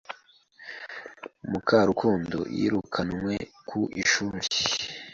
Mukarukundo yirukanwe ku ishuri.